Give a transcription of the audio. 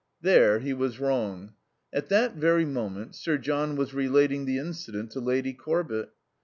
There he was wrong. At that very moment Sir John was relating the incident to Lady Corbett.